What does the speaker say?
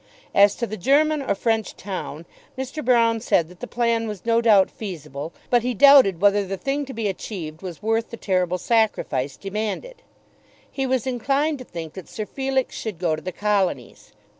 As to the German or French town, Mr. Broune said that the plan was no doubt feasible, but he doubted whether the thing to be achieved was worth the terrible sacrifice demanded. He was inclined to think that Sir Felix should go to the colonies.